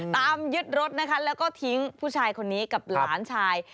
ตามยึดรถนะคะแล้วก็ทิ้งผู้ชายคนนี้กับหลานชาย